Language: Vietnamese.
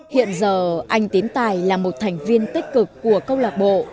hiện giờ anh tiến tài là một thành viên tích cực của câu lạc bộ